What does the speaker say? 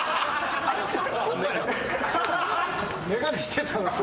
眼鏡してたな。